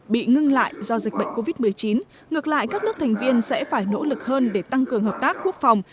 bị ngưng lại do dịch bệnh covid một mươi chín ngược lại các nước thành viên sẽ phải nỗ lực hơn để tăng cường hợp tác quốc phòng